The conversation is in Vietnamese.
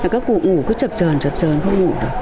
các cụ ngủ cứ chập trờn chập trờn không ngủ được